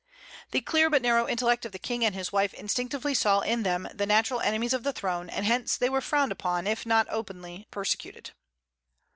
The clear but narrow intellect of the King and his wife instinctively saw in them the natural enemies of the throne; and hence they were frowned upon, if not openly persecuted.